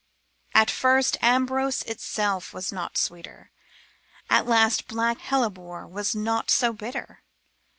At first Ambrose itself was not sweeter, At last black hellebore was not so bitter.